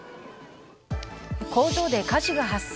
工場で火事が発生。